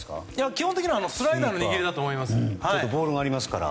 基本的にはスライダーの握りだと思います。